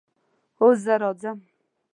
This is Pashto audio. هو، زه راځم